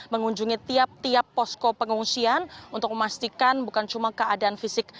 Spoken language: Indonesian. mengunjungi tiap tiap posko pengungsian untuk memastikan bukan cuma keadaan fisik